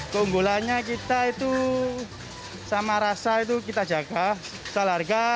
keunggulannya kita itu sama rasa itu kita jaga